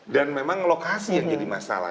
dan memang lokasi yang jadi masalah